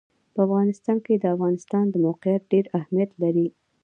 په افغانستان کې د افغانستان د موقعیت ډېر اهمیت لري.